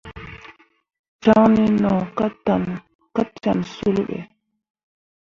Caŋne no ka ten sul be.